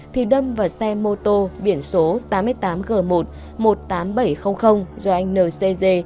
thì đâm vào xe mô tô biển số tám mươi tám g một một mươi tám nghìn bảy trăm linh do anh n c g